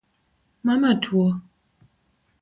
Mama tuo?